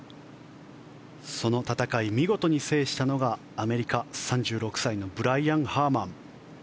その戦い、見事に制したのがアメリカ、３６歳のブライアン・ハーマン。